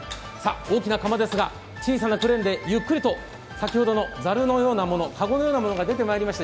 大きな釜ですが小さなクレーンでゆっくりと、先ほどのざるのようなもの籠のようなものが出てきました。